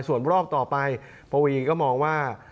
ส่วนรอบต่อไปปวีนก็มองว่า